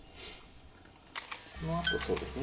このあとそうですね